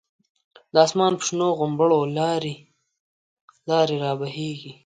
د آسمان په شنو غومبرو، لاری لاری رابهیږی